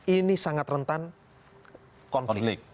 ini sangat rentan konflik